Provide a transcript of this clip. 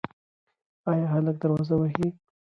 ایا هلک دروازه وهي؟